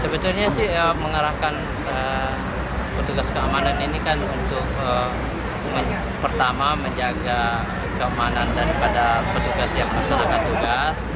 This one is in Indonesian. sebetulnya sih mengarahkan petugas keamanan ini kan untuk pertama menjaga keamanan daripada petugas yang melaksanakan tugas